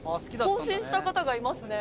更新した方がいますね。